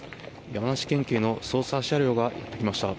山梨県警の捜査車両が来ました。